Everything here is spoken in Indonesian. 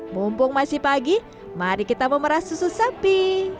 mumpung masih pagi mari kita memerah susu sapi